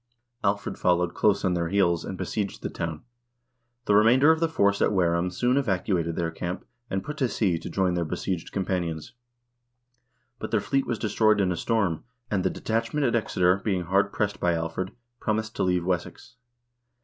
Alfred followed close on their heels, and besieged the town. The remainder of the force at Wareham soon evacuated their camp and put to sea to join their besieged companions, but their fleet was destroyed in a storm, and the detachment at Exeter, being hard pressed by Alfred, promised to leave Wessex.